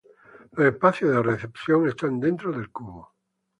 Los espacios de recepción están dentro del cubo.